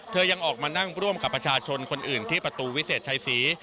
ยังออกมานั่งร่วมกับประชาชนคนอื่นที่ประตูวิเศษชัยศรี